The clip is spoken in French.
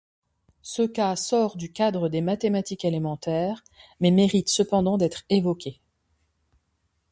Ce cas sort du cadre des mathématiques élémentaires, mais mérite cependant d'être évoqué.